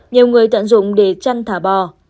nhiều người tận dụng để chăn thả bò